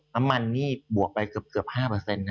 น้ำมันนี่บวกไปเกือบ๕นะ